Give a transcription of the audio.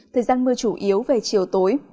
thời gian mưa chủ yếu về chiều tối